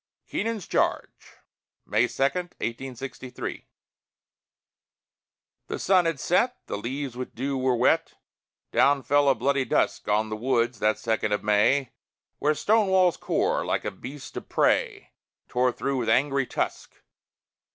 KEENAN'S CHARGE [May 2, 1863] The sun had set; The leaves with dew were wet Down fell a bloody dusk On the woods, that second of May, Where "Stonewall's" corps, like a beast of prey, Tore through with angry tusk.